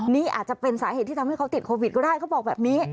นี่อาจจะเป็นสาเหตุที่ทำให้เขาติดโควิดก็ได้เขาบอกแบบนี้